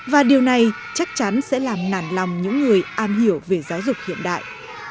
và điều này chắc chắn sẽ làm nản lòng những người am hiểu về giáo dục hiện đại